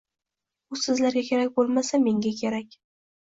U sizlarga kerak bo‘lmasa, menga kerak